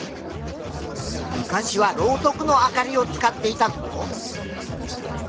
昔はろうそくの明かりを使っていたぞ。